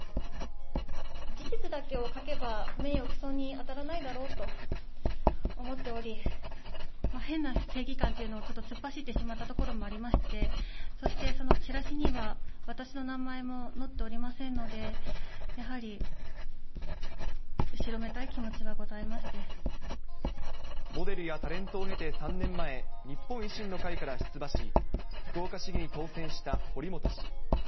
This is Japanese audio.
事実だけを書けば名誉毀損に当たらないだろうと思っており、変な正義感というのを、ちょっと突っ走ってしまったところもありまして、そして、そのチラシには、私の名前も載っておりませんので、やはり、後ろめたい気持ちはござモデルやタレントを経て３年前、日本維新の会から出馬し、福岡市議に当選した堀本氏。